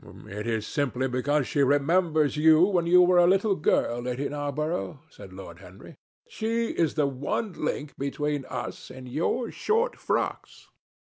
"It is simply because she remembers you when you were a little girl, Lady Narborough," said Lord Henry. "She is the one link between us and your short frocks."